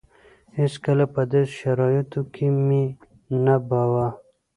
هېڅکله په داسې شرايطو کې مې نه بوه.